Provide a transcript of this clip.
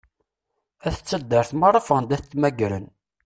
At taddart merra ffɣen-d ad t-mmagren.